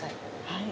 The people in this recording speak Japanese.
はい。